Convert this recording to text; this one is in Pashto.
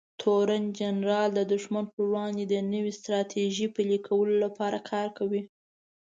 تورن جنرال د دښمن پر وړاندې د نوې ستراتیژۍ پلي کولو لپاره کار کوي.